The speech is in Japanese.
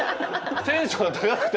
テンションが高くて青木さん。